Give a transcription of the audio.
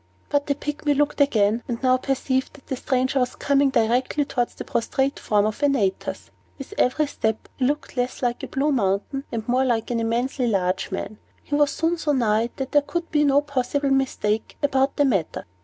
But the Pygmy looked again, and now perceived that the stranger was coming directly towards the prostrate form of Antaeus. With every step, he looked less like a blue mountain, and more like an immensely large man. He was soon so nigh, that there could be no possible mistake about the matter.